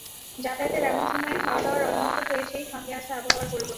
যাতায়াতের এমন সময়ে খাওয়াদাওয়ার অনিয়ম তো হয়েছেই, সঙ্গে আছে আবহাওয়ার পরিবর্তন।